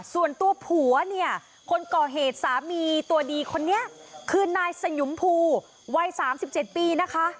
ส่วนตัวผัวเนี่ยคนก่อเหตุสามีตัวดีคนนี้คือนายสยุมภูวัย๓๗ปีนะคะ